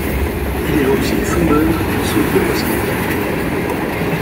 Il est aussi fondeur et sauteur à ski.